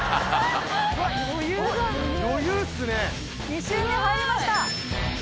２周目入りました！